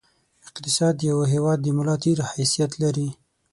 اقتصاد د یوه هېواد د ملا د تېر حیثیت لري.